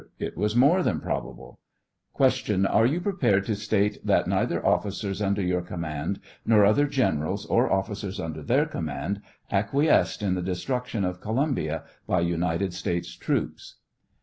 It is more than probable. Q. Are you prepared to state that neither oncers under your command, nor other generals, or officers under their command, acquiesced in the destruction of Columbia by United States troops